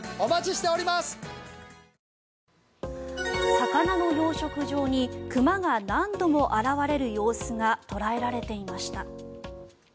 魚の養殖場に熊が何度も現れる様子が捉えられていました。